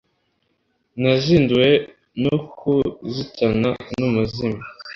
Nazinduwe no kuzitana n'umuzimyi